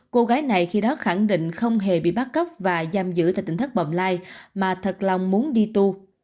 cô gái này khi đó khẳng định không hề bị bắt cấp và giam giữ tại tỉnh thác bộng lai mà thật lòng muốn đi tu